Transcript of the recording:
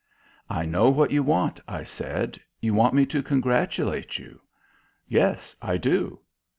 "I know what you want," I said. "You want me to congratulate you." "Yes. I do."